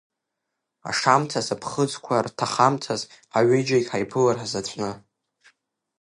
Ашамҭаз, аԥхыӡқәа рҭахамҭаз, ҳаҩыџьегь ҳаиԥылар ҳзаҵәны.